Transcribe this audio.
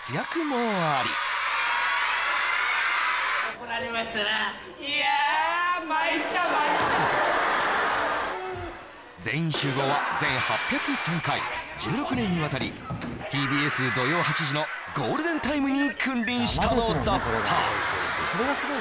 参った参った「全員集合」は全８０３回１６年にわたりＴＢＳ土曜８時のゴールデンタイムに君臨したのだった